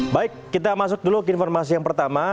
baik kita masuk dulu ke informasi yang pertama